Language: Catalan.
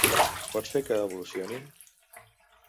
Pots fer que evolucionin.